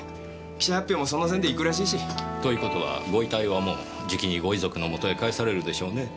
記者発表もその線で行くらしいし。という事はご遺体はもうじきにご遺族の元へ帰されるでしょうねぇ。